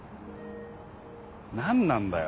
何なんだよ